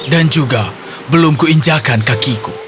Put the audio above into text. dan juga belum kuinjakan kakiku